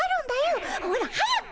ほら早く。